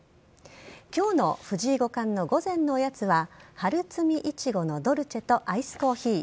今日の藤井五冠の午前のおやつは春摘みいちごのドルチェとアイスコーヒー。